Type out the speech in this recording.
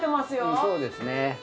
うんそうですね。